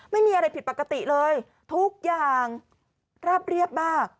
ไม่มีอะไรผิดปกติเลยทุกอย่างราบเรียบมาก